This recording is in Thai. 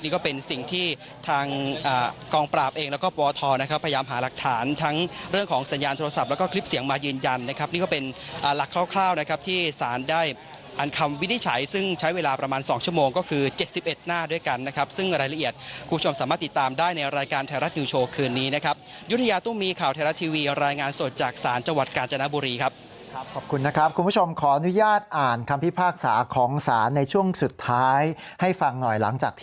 นี่ก็เป็นสิ่งที่ทางกองปราบเองแล้วก็ปวทนะครับพยายามหารักฐานทั้งเรื่องของสัญญาณโทรศัพท์แล้วก็คลิปเสียงมายืนยันนะครับนี่ก็เป็นหลักคร่าวนะครับที่สารได้อันคำวินิจฉัยซึ่งใช้เวลาประมาณสองชั่วโมงก็คือเจ็ดสิบเอ็ดหน้าด้วยกันนะครับซึ่งรายละเอียดคุณผู้ชมสามารถติดตามได้ในรายการไทย